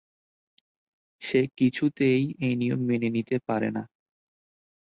সে কিছুতেই এই নিয়ম মেনে নিতে পারেনা।